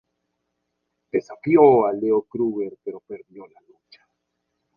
Desafió a Leo Kruger pero perdió la lucha.